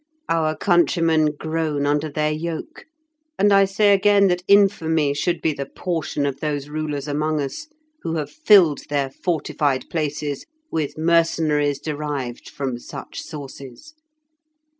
Our countrymen groan under their yoke, and I say again that infamy should be the portion of those rulers among us who have filled their fortified places with mercenaries derived from such sources.